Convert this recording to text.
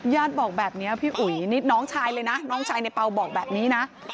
บอกแบบนี้พี่อุ๋ยนี่น้องชายเลยนะน้องชายในเปล่าบอกแบบนี้นะ